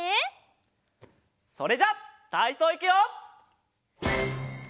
それじゃたいそういくよ。